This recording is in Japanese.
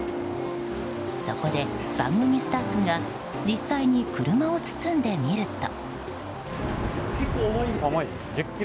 そこで、番組スタッフが実際に車を包んでみると。